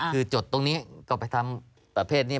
คือจดตรงนี้ก็ไปทำประเภทนี้